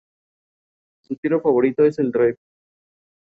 Esto abrió paso al concepto de "sitios receptivos específicos", o receptores.